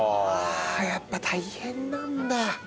ああやっぱ大変なんだ。